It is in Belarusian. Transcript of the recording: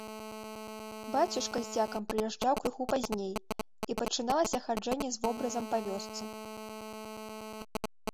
Бацюшка з дзякам прыязджаў крыху пазней, і пачыналася хаджэнне з вобразам па вёсцы.